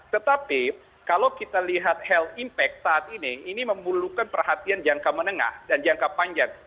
tetapi kalau kita lihat health impact saat ini ini memerlukan perhatian jangka menengah dan jangka panjang